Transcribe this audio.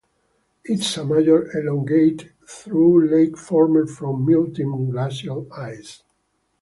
It's a major elongated trough lake formed from melting glacial ice.